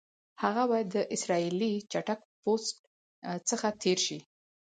هغه باید د اسرائیلي چیک پوسټ څخه تېر شي.